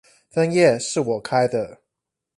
分頁是我開的